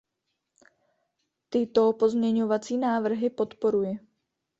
Tyto pozměňovací návrhy podporuji.